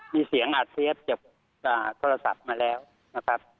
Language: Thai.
มีเสียงอัดเทปจากโทรศัพท์มาแล้วนะครับ